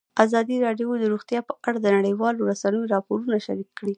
ازادي راډیو د روغتیا په اړه د نړیوالو رسنیو راپورونه شریک کړي.